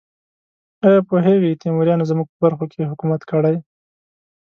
ایا پوهیږئ تیموریانو زموږ په برخو کې حکومت کړی؟